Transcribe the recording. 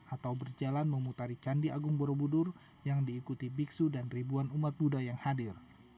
atau berjalan memutari candi agung borobudur yang diikuti biksu dan ribuan umat buddha yang hadir